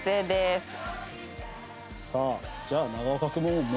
さあじゃあ永岡君も。